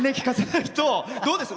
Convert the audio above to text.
どうですか？